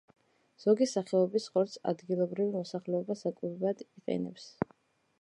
ზოგი სახეობის ხორცს ადგილობრივი მოსახლეობა საკვებად იყენებს.